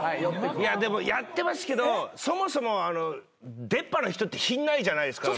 でもやってますけどそもそも出っ歯の人って品ないじゃないですか。